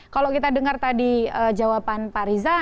kalau kita dengar tadi jawaban pak riza